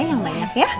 yang banyak ya